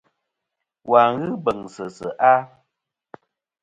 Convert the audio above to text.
Wà n-ghɨ beŋsɨ seʼ a?